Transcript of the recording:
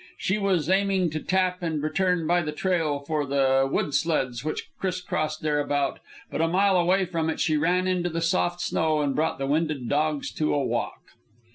She was aiming to tap and return by the trail for the wood sleds which crossed thereabout, but a mile away from it she ran into the soft snow and brought the winded dogs to a walk.